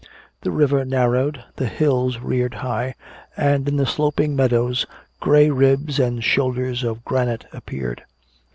The river narrowed, the hills reared high, and in the sloping meadows gray ribs and shoulders of granite appeared.